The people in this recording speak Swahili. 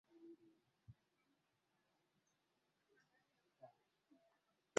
walikataa kula wanyama hao wala ndege